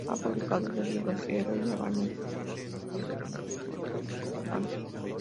Ha publicado dos libros: 'Ero' y 'Habana' y ha colaborado en otros tantos.